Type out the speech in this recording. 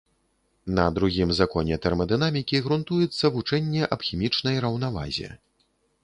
На другім законе тэрмадынамікі грунтуецца вучэнне аб хімічнай раўнавазе.